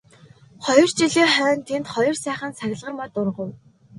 Хоёр жилийн хойно тэнд хоёр сайхан саглагар мод ургав.